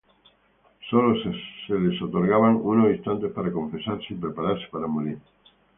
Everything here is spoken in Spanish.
Sólo se les otorgaban unos instantes para confesarse y prepararse para morir.